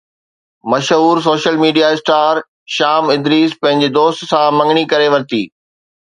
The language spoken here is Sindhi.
مشهور social media star Shaam Idrees پنهنجي دوست سان مڱڻي ڪري ورتي